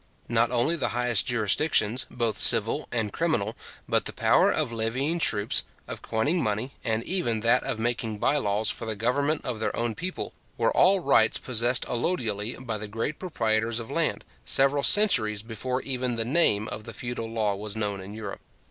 Not only the highest jurisdictions, both civil and criminal, but the power of levying troops, of coining money, and even that of making bye laws for the government of their own people, were all rights possessed allodially by the great proprietors of land, several centuries before even the name of the feudal law was known in Europe.